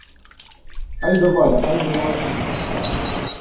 Ай да Валя! Ай да молодчина какая!